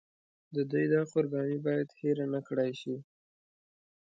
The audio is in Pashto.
د دوی دا قرباني باید هېره نکړای شي.